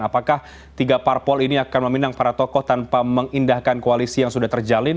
apakah tiga parpol ini akan meminang para tokoh tanpa mengindahkan koalisi yang sudah terjalin